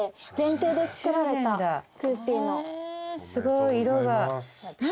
すごい色が。